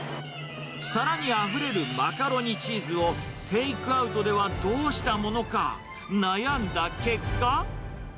さらにあふれるマカロニチーズを、テイクアウトではどうしたものか、悩んだ結果。